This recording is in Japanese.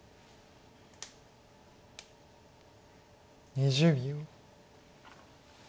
２０秒。